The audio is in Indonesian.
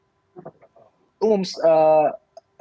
untuk terhubung dengan peran putri